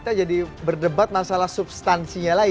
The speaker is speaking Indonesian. kita jadi berdebat masalah substansinya lagi